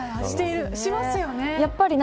しますよね。